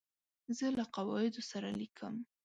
زه له قواعدو سره لیکم.